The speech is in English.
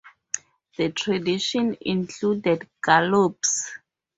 The tradition included galops.